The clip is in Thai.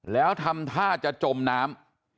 แล้วทำท่าจะจมน้ำ